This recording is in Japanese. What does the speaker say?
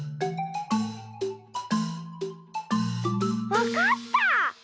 わかった！